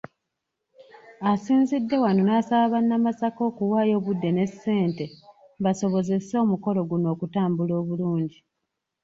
Asinzidde wano n’asaba bannamasaka okuwaayo obudde ne ssente basobozese omukolo guno okutambula obulungi.